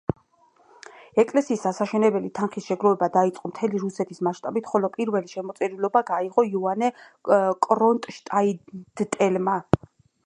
ეკლესიის ასაშენებელი თანხის შეგროვება დაიწყო მთელი რუსეთის მასშტაბით, ხოლო პირველი შემოწირულობა გაიღო იოანე კრონშტადტელმა.